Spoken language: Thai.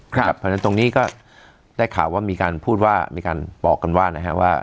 เพราะฉะนั้นตรงนี้ก็ได้ข่าวว่ามีการพูดว่ามีการบอกกันว่านะครับว่า